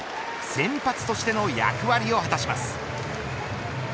先発としての役割を果たします。